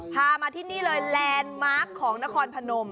พามาที่นี่เลยแลนด์มาร์คของนครพนม